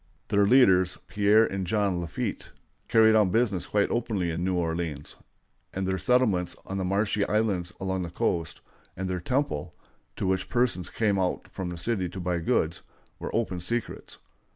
Their leaders, Pierre and John Lafitte, carried on business quite openly in New Orleans; and their settlements on the marshy islands along the coast, and their "temple," to which persons came out from the city to buy goods, were open secrets.